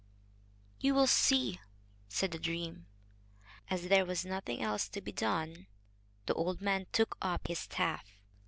"You will see," said the dream. As there was nothing else to be done, the old man took up his staff.